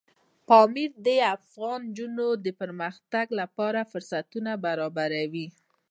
پامیر د افغان نجونو د پرمختګ لپاره فرصتونه برابروي.